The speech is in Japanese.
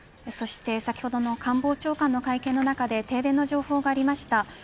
先ほどの官房長官の会見の中で停電の情報がありました。